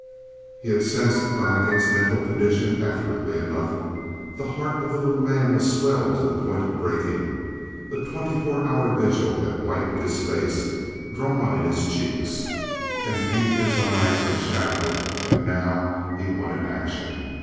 He had sensed Donnegan's mental condition accurately enough. The heart of the little man was swelled to the point of breaking. A twenty hour vigil had whitened his face, drawn in his cheeks, and painted his eyes with shadow; and now he wanted action.